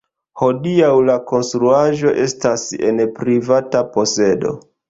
Hodiaŭ La konstruaĵo estas en privata posedo.